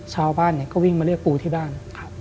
ชาวบ้านก็วิ่งมาเรียกปูที่บ้าน